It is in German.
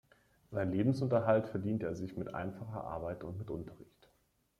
Seinen Lebensunterhalt verdiente er sich mit einfacher Arbeit und mit Unterricht.